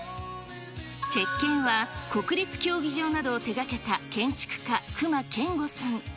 設計は、国立競技場などを手がけた建築家、隈研吾さん。